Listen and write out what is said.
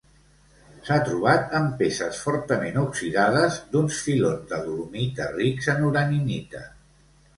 S'ha trobat en peces fortament oxidades d'uns filons de dolomita rics en uraninita.